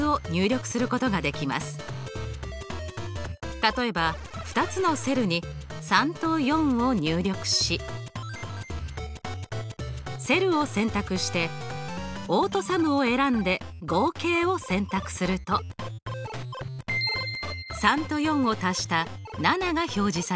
例えば２つのセルに３と４を入力しセルを選択してオートＳＵＭを選んで合計を選択すると３と４を足した７が表示されます。